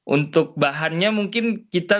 untuk bahannya mungkin kita